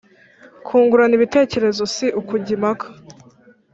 Kungurana ibitekerezo si ukujya impaka